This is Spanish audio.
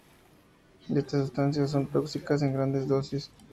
Estas sustancias son tóxicas en grandes dosis.